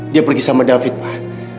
dia pergi sama david pak